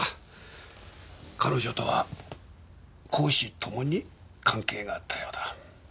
彼女とは公私ともに関係があったようだ。